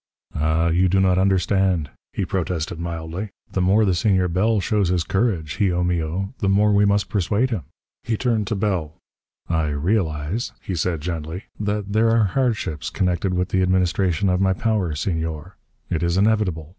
"Ah, you do not understand," he protested mildly. "The more the Senor Bell shows his courage, hijo mio, the more we must persuade him." He turned to Bell. "I realise," he said gently, "that there are hardships connected with the administration of my power, Senor. It is inevitable.